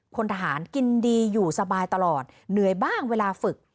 คนทหารกินดีอยู่สบายตลอดเหนื่อยบ้างเวลาฝึก